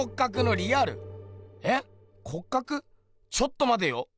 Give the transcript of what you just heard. ちょっとまてよ。